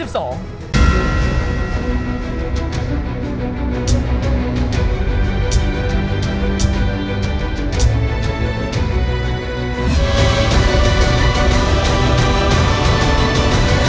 โปรดติดตามตอนต่อไป